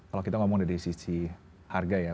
kalau kita ngomong dari sisi harga ya